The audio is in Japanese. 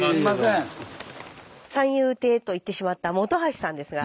「三遊亭」と言ってしまった本橋さんですが。